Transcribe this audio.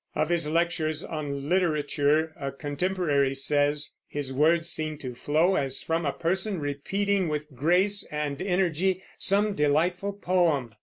Of his lectures on literature a contemporary says: "His words seem to flow as from a person repeating with grace and energy some delightful poem."